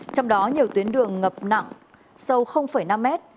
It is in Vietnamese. trong đó nhiều tuyến đường ngập nặng sâu năm mét